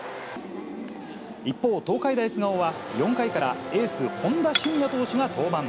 一方、東海大菅生は、４回からエース、本田峻也投手が登板。